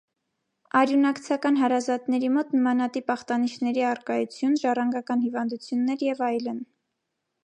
Արյունակցական հարազատների մոտ նմանատիպ ախտանիշների առկայություն, ժառանգական հիվանդություններ, և այլն։